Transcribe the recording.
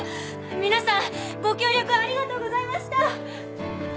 皆さんご協力ありがとうございました！